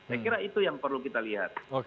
saya kira itu yang perlu kita lihat